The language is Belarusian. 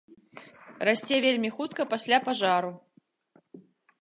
Расце вельмі хутка пасля пажару.